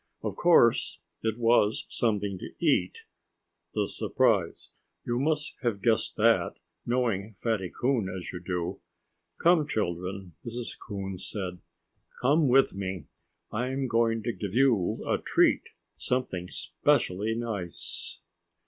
Of course it was something to eat the surprise. You must have guessed that, knowing Fatty Coon as you do. "Come, children!" Mrs. Coon said. "Come with me! I'm going to give you a treat something specially nice."